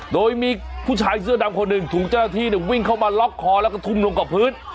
โดยมีผู้ชายเสื้อดำคนหนึ่งถูกเจ้าหน้าที่วิ่งเข้ามาล็อกคอแล้วก็ทุ่มลงกับพื้น